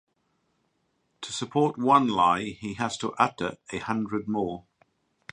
To support one lie he has to utter a hundred more.